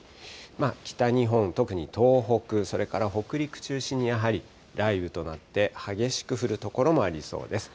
北日本、特に東北、それから北陸中心にやはり雷雨となって、激しく降る所もありそうです。